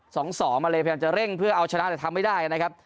สองสองมาเลยพยายามจะเร่งเพื่อเอาชนะแต่ทำไม่ได้นะครับ